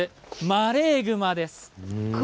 マレーグマです。